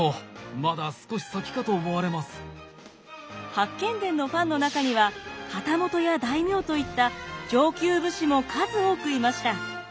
「八犬伝」のファンの中には旗本や大名といった上級武士も数多くいました。